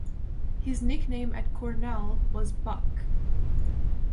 His nickname at Cornell was "Buck".